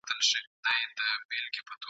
احوال یې کښلی زموږ د ښار دی !.